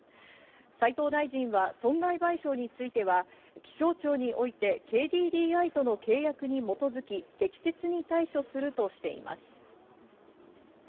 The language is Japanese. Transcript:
斉藤大臣は損害賠償については、気象庁においてＫＤＤＩとの契約に基づき、適切に対処するとしています。